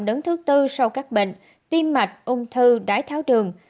đến thứ tư sau các bệnh tiêm mạch ung thư đái tháo đường